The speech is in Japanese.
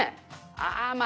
「ああまあ